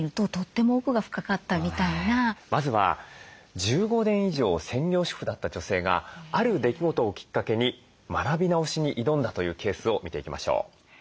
まずは１５年以上専業主婦だった女性がある出来事をきっかけに学び直しに挑んだというケースを見ていきましょう。